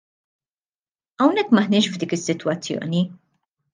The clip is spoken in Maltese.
Hawnhekk m'aħniex f'dik is-sitwazzjoni.